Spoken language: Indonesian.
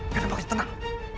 kenapa kamu tenang